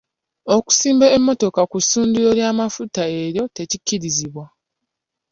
Okusimba emmotoka ku ssundiro ly'amafuta eryo tekikkirizibwa.